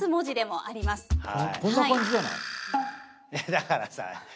だからさ